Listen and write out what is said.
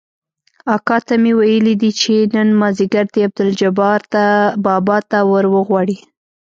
اکا ته مې ويلي دي چې نن مازديګر دې عبدالجبار ده بابا ته وروغواړي.